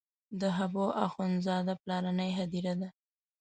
د حبو اخند زاده پلرنۍ هدیره ده.